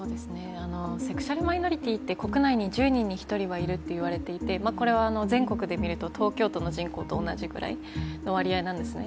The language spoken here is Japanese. セクシャル・マイノリティって国内に１０人に１人はいるといわれていてこれは全国で見ると、東京都の人口と同じぐらいの割合なんですね。